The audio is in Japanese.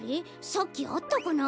さっきあったかな？